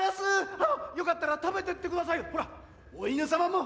あのよかったら食べてって下さいよほらお犬様も。